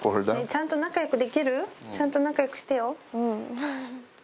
ちゃんと仲よくしてよ。